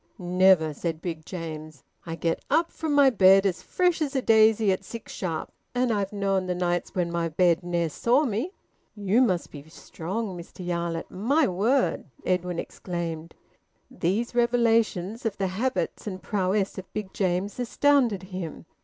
"Never," said Big James. "I get up from my bed as fresh as a daisy at six sharp. And I've known the nights when my bed ne'er saw me." "You must be strong, Mr Yarlett, my word!" Edwin exclaimed. These revelations of the habits and prowess of Big James astounded him.